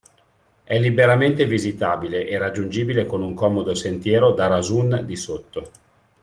È liberamente visitabile e raggiungibile con un comodo sentiero da Rasun di Sotto.